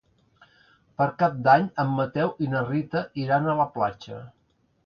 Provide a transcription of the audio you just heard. Per Cap d'Any en Mateu i na Rita iran a la platja.